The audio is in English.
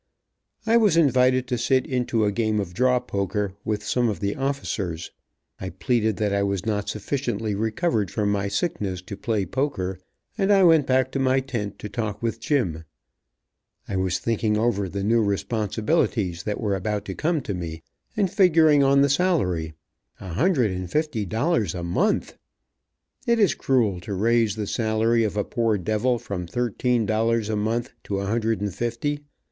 I was invited to sit into a game of draw poker with some of the officers. I pleaded that I was not sufficiently recovered from my sickness to play poker, and I went back to my tent to talk with Jim. I was thinking over the new responsibilities that were about to come to me, and figuring on the salary. A hundred and fifty dollars a month! It is cruel to raise the salary of a poor devil from thirteen dollars a month to a hundred and fifty.